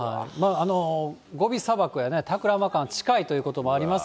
ゴビ砂漠やタクラマカン近いということもあります